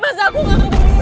mas aku gak mau